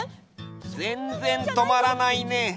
ぜんぜんとまらないね。